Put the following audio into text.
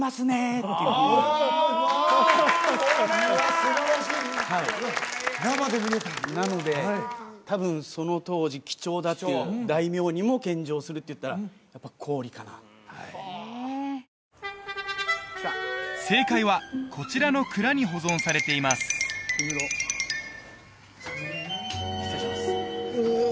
すばらしい生で見れたなので多分その当時貴重だっていう大名にも献上するっていったらやっぱ氷かな正解はこちらの蔵に保存されています失礼します